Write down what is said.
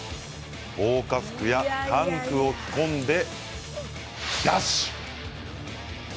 防火服やタンクを着込んでダッシュ！